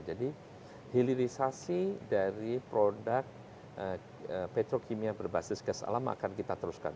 jadi hilirisasi dari produk petro kimia berbasis gas alam akan kita teruskan